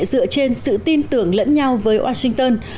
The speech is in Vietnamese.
dựa trên sự tin tưởng lẫn nhau với washington